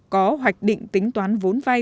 có hoạch định tính toán vốn vay